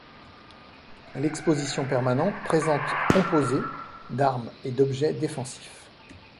L'exposition permanente présente composées d'armes et d'objets défensifs.